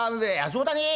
「そうだねえ。